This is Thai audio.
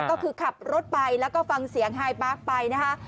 ก็คือขับรถไปแล้วก็ฟังเสียงไฮปาร์คไปนะคะ